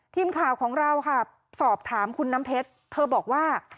ทีมข่าวของเราค่ะสอบถามคุณน้ำเพชรเธอบอกว่า